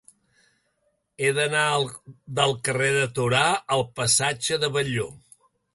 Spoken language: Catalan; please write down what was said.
He d'anar del carrer de Torà al passatge de Batlló.